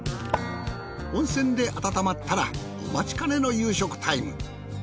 温泉で温まったらお待ちかねの夕食タイム。